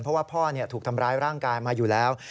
เพราะว่าพ่อถูกทำร้ายร่างกายมาอยู่แล้ว